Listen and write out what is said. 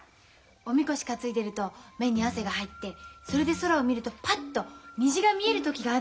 お神輿担いでると目に汗が入ってそれで空を見るとパッと虹が見える時があるの。